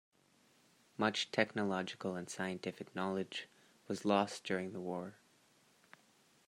Much technological and scientific knowledge was lost during the war.